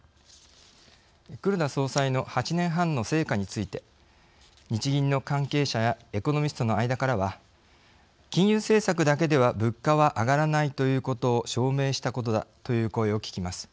黒田総裁の８年半の成果について日銀の関係者やエコノミストの間からは「金融政策だけでは物価は上がらないということを証明したことだ」という声を聴きます。